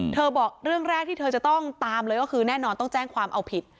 บอกเรื่องแรกที่เธอจะต้องตามเลยก็คือแน่นอนต้องแจ้งความเอาผิด